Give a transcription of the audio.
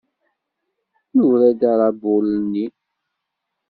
Nura-d aṛabul-nni.